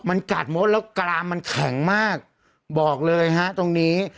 มันกัดมดแล้วกรามมันแข็งมากบอกเลยฮะตรงนี้